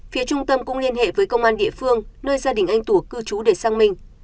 phía trung tâm cũng liên hệ với công an địa phương nơi gia đình anh tú cư trú để sang minh